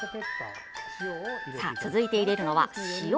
続いて入れるのは塩。